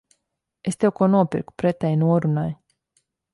Es tev ko nopirku pretēji norunai.